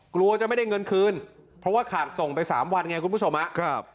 กลัวจะไม่ได้เงินคืนเพราะว่าขาดส่งไปสามวันไงคุณผู้ชมครับ